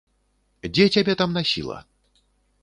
Дзе цябе там насіла?